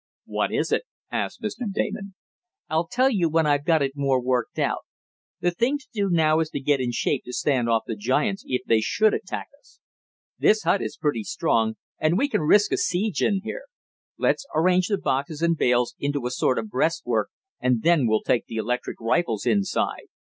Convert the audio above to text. "What is it?" asked Mr. Damon. "I'll tell you when I've got it more worked out. The thing to do now is to get in shape to stand off the giants if they should attack us. This hut is pretty strong, and we can risk a siege in here. Let's arrange the boxes and bales into a sort of breastwork, and then we'll take the electric rifles inside."